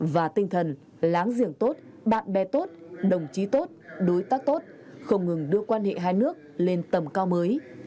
và tinh thần láng giềng tốt bạn bè tốt đồng chí tốt đối tác tốt không ngừng đưa quan hệ hai nước lên tầm cao mới